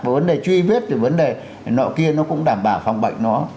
và vấn đề truy viết thì vấn đề nọ kia nó cũng đảm bảo phòng bệnh nó